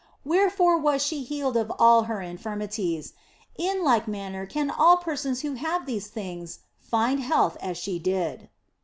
Wherefore was she healed of all her infirmities and in like manner can all persons who have these things find health as she did."